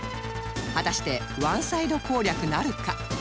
果たしてワンサイド攻略なるか！？